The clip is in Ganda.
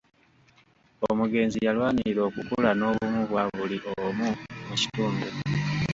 Omugenzi yalwanirira okukula n'obumu bwa buli omu mu kitundu.